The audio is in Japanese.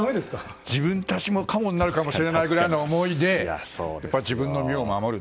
自分たちもカモになるかもしれないくらいの思いで自分の身を守る。